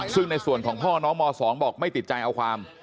ซึ่งในส่วนของพ่อน้องม๒บอกไม่ติดใจเอาความ